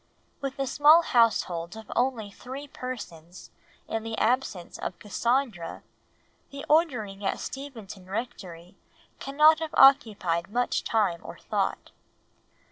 With a small household of only three persons, in the absence of Cassandra, the ordering at Steventon Rectory cannot have occupied much time or thought.